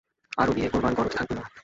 ওর বিয়ে করবার গরজ থাকবে না।